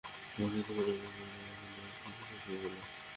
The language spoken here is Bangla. হটাৎ করে, আমি কারো জন্য এতো বিশেষ হয়ে গেলাম।